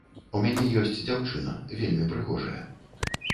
У мяне ёсць дзяўчына, вельмі прыгожая.